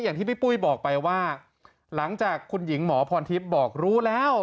อย่างที่พี่ปุ้ยบอกไปว่าหลังจากคุณหญิงหมอพรทิพย์บอกรู้แล้ว